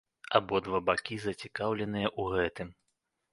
Абодва бакі зацікаўленыя ў гэтым.